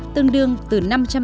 tương đương từ năm trăm tám mươi hai